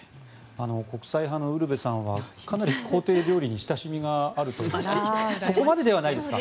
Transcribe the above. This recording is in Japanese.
国際派のウルヴェさんはかなり公邸料理に親しみがあるということでそこまでではないですか？